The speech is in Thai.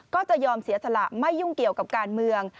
ก็จะยอมเสียสละไม่ยุ่งเกี่ยวกับการเมือง